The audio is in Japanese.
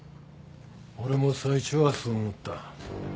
俺も最初はそう思った。